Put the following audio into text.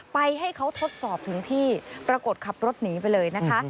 ไปให้เขาทดสอบถึงที่ปรากฏขับรถหนีไปเลยนะคะ